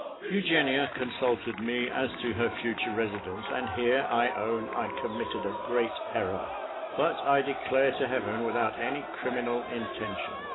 Eugenia consulted me as to her future residence; and here I own I committed a great error, but, I declare to Heaven, without any criminal intention.